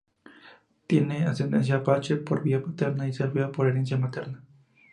Tiene ascendencia apache —por vía paterna— y serbia —por herencia materna—.